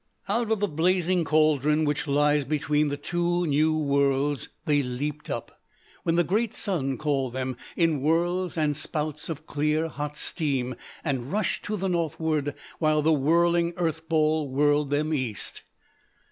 "Out of the blazing caldron which lies between the two New Worlds, they leaped up, when the great sun called them, in whirls and spouts of clear hot steam, and rushed to the northward, while the whirling earthball whirled them east.